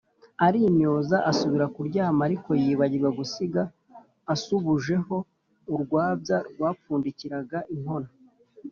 arimyoza asubira kuryama, ariko yibagirwa gusiga asubujeho urwabya rwapfundikiraga inkono.